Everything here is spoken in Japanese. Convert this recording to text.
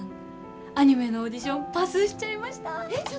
アニメのオーディションパスしちゃいました！